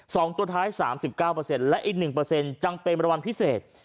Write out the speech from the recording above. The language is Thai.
สองตัวท้ายสามสิบเก้าเปอร์เซ็นต์และอีกหนึ่งเปอร์เซ็นต์จังเป็นรางวัลพิเศษ